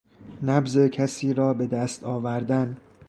نبض کسیرا بدست آوردن